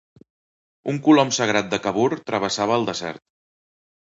Un colom sagrat de Kabur travessava el desert.